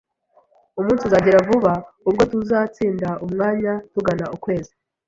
Umunsi uzagera vuba ubwo tuzatsinda umwanya tugana ukwezi